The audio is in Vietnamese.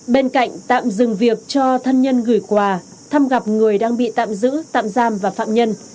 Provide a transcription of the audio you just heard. bên cạnh tạm dừng việc cho thân nhân gửi quà thăm gặp người đang bị tạm giữ tạm giam và phạm nhân